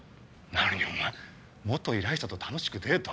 なのにお前依頼者と楽しくデート？